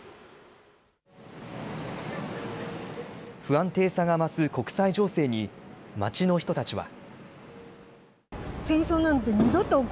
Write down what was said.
不安定さが増す国際情勢に、街の人たちは。